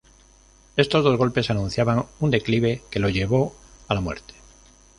Estos dos golpes anunciaban un declive que lo llevó a la muerte.